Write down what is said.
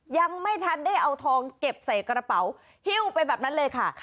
ยังไม่ทันได้เอาทองเก็บใส่กระเป๋าฮิ้วไปแบบนั้นเลยค่ะ